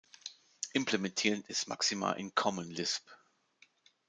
Implementiert ist Maxima in Common Lisp.